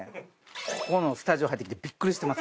ここのスタジオ入ってきてビックリしてます